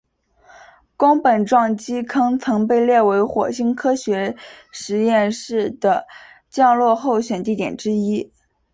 宫本撞击坑曾被列为火星科学实验室的降落候选地点之一。